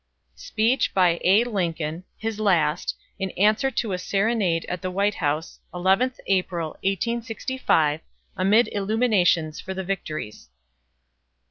(Speech by A. Lincoln, his last! in answer to a serenade at the White House, 11th April, 1865, amid illuminations for the victories.)